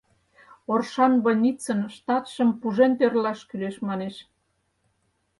«Оршан больницын штатшым пужен тӧрлаш кӱлеш» манеш.